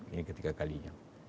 ini ketiga kalinya